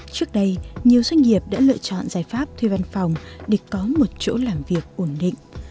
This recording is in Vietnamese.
trước đây nhiều doanh nghiệp đã lựa chọn giải pháp thuê văn phòng để có một chỗ làm việc ổn định